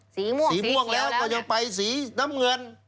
สีม่วงแล้วก็ยังไปสีน้ำเงิน